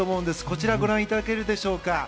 こちらご覧いただけるでしょうか。